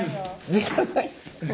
時間ない。